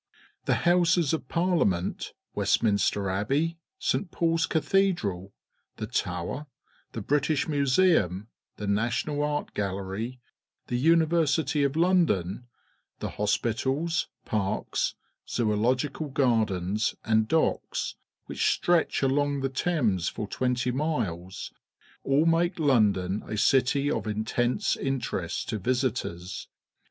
The Hous_es of__Ji£u Hajneiit, W estminste r Abbey, St. Paul's Cathedral, the Tower, the British Museum, the National Art Gallery, the University of London, the hospitals, parks, zoological gardens, and docks — which stretch along the Thames for twenty miles — all make London a city of intense interest to visitors.